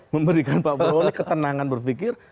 memberikan pak prabowo ini ketenangan berpikir